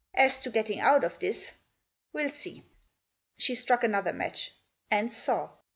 As to getting out of this — we'll see." She struck another match, and saw.